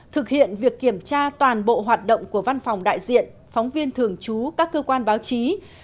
thực hiện việc kiểm tra toàn bộ hoạt động của văn phòng đại diện phóng viên thường trú các cơ quan báo chí